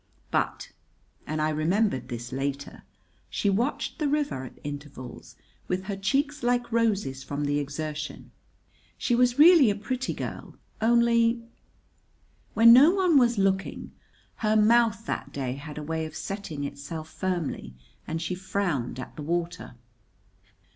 But and I remembered this later she watched the river at intervals, with her cheeks like roses from the exertion. She was really a pretty girl only, when no one was looking, her mouth that day had a way of setting itself firmly, and she frowned at the water.